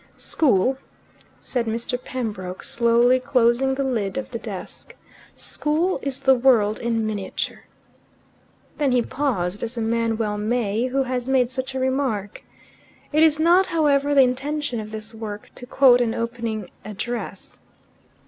"School," said Mr. Pembroke, slowly closing the lid of the desk, "school is the world in miniature." Then he paused, as a man well may who has made such a remark. It is not, however, the intention of this work to quote an opening address.